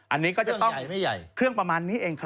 อันนี้ก็จะต้องเครื่องประมาณนี้เองครับ